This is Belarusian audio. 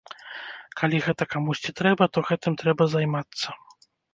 Калі гэта камусьці трэба, то гэтым трэба займацца.